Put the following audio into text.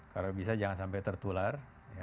kalau bisa jangan sampai tertular